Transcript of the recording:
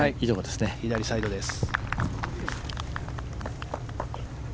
左サイドです。